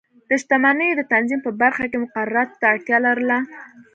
د شتمنیو د تنظیم په برخه کې مقرراتو ته اړتیا لرله.